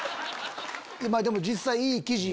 でも実際いい記事。